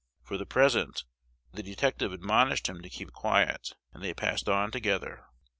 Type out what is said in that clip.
For the present, the detective admonished him to keep quiet; and they passed on together.